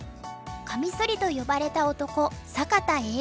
カミソリと呼ばれた男坂田栄男」。